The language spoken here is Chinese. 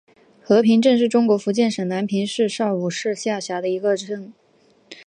和平镇是中国福建省南平市邵武市下辖的一个镇。